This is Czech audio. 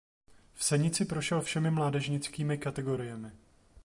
V Senici prošel všemi mládežnickými kategoriemi.